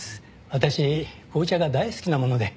私紅茶が大好きなもので。